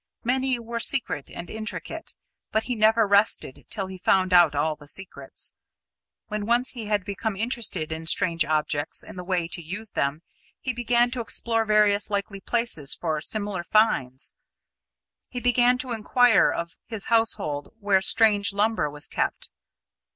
Many were secret and intricate, but he never rested till he found out all the secrets. When once he had become interested in strange objects, and the way to use them, he began to explore various likely places for similar finds. He began to inquire of his household where strange lumber was kept.